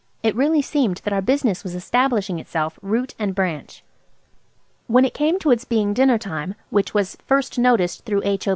It really seemed that our business was establishing itself root and branch. When it came to its being dinner time, which was first noticed through H.O.